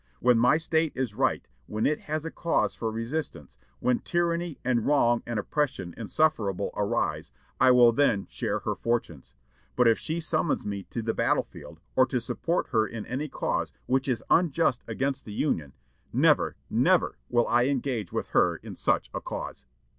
When my State is right, when it has a cause for resistance, when tyranny and wrong and oppression insufferable arise, I will then share her fortunes; but if she summons me to the battlefield, or to support her in any cause which is unjust against the Union, never, never will I engage with her in such a cause!"